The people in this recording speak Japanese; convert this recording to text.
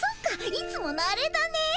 いつものアレだね。